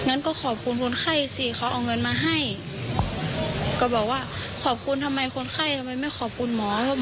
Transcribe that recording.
หนูก็ถามว่าแล้วได้เงินเหรอ